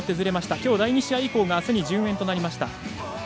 きょう、第２試合以降があすに順延となりました。